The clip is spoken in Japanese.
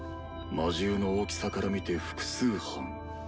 魔獣の大きさから見て複数犯。